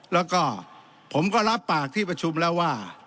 แล้วก็ผมก็รับปากที่ประชุมแล้วว่า